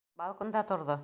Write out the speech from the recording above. Балконда торҙо!